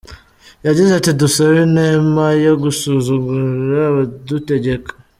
Yagize, ati “Dusabe inema yo gusuzugura abadutegeka”.